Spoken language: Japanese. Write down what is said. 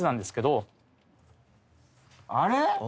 あれ？